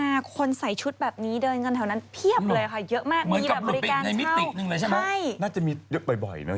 อัยที่เธอแต่งตัวไปกับเขามาบ้างหรือยัง